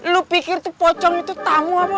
lu pikir tuh pocong itu tamu apa